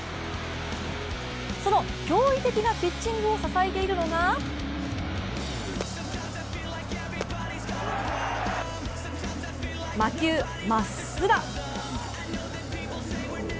その驚異的なピッチングを支えているのが魔球・真ッスラ。